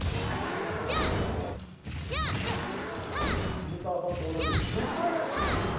渋沢さんと同じ深谷市出身